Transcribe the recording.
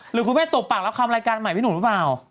หรือคุณแม่ตบปากแล้วคำรายการใหม่พี่หนุ่มหรือเปล่า